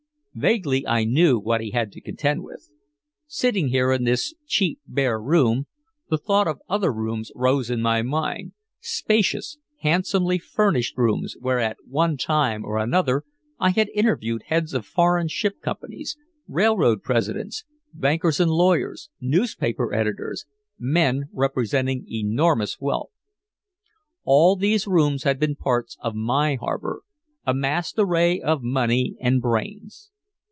Vaguely I knew what he had to contend with. Sitting here in this cheap bare room, the thought of other rooms rose in my mind, spacious, handsomely furnished rooms where at one time or another I had interviewed heads of foreign ship companies, railroad presidents, bankers and lawyers, newspaper editors, men representing enormous wealth. All these rooms had been parts of my harbor a massed array of money and brains.